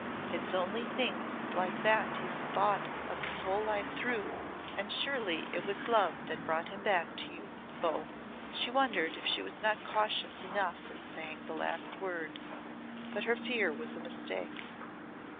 "It's only things like that he's thought of his whole life through. And surely it was love that brought him back to you both." She wondered if she was not cautious enough in saying the last word. But her fear was a mistake.